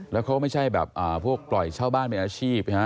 แล้วเขาไม่ใช่แบบพวกปล่อยเช่าบ้านเป็นอาชีพ